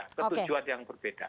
ketujuan yang berbeda